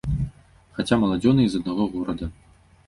Хаця маладзёны і з аднаго горада.